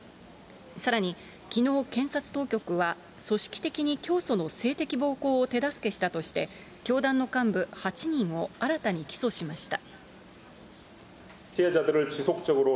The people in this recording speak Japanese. さらに、きのう、検察当局は、組織的に教祖の性的暴行を手助けしたとして、教団の幹部８人を新たに起訴しました。